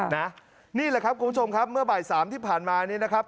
นี่แหละครับคุณผู้ชมครับเมื่อบ่ายสามที่ผ่านมานี้นะครับ